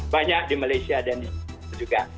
banyak di malaysia dan di sana juga